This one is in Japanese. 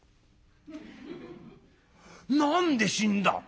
「何で死んだ？